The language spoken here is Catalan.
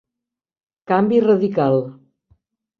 Canvi radical.